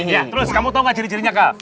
ya terus kamu tau gak ciri cirinya kal